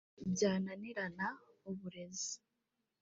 byananirana […] uburezi